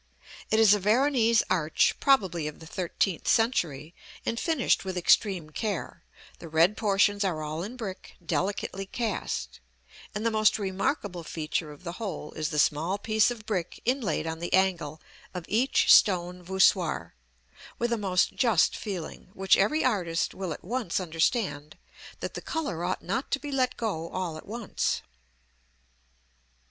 It is a Veronese arch, probably of the thirteenth century, and finished with extreme care; the red portions are all in brick, delicately cast: and the most remarkable feature of the whole is the small piece of brick inlaid on the angle of each stone voussoir, with a most just feeling, which every artist will at once understand, that the color ought not to be let go all at once.